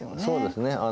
そうですね。